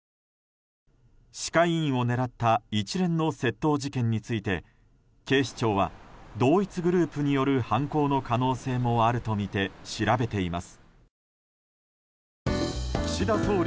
歯科医院を狙った一連の窃盗事件について警視庁は同一グループによる犯行の可能性もあるとみて調べています。